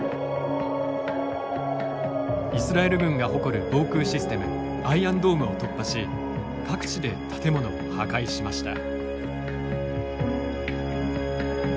イスラエル軍が誇る防空システムアイアンドームを突破し各地で建物を破壊しました。